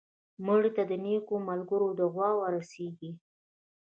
مړه ته د نیکو ملګرو دعا ورسېږي